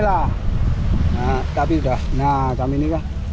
nah seperti ini